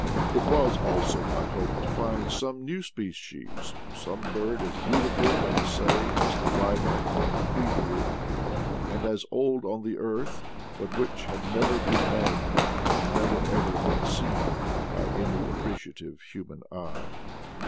It was also my hope to find some new species, some bird as beautiful, let us say, as 6 IDLE DAYS IN PATAGONIA the wryneck or wheatear, and as old on the earth, but which had never been named and never ever seen by any appreciative human eye.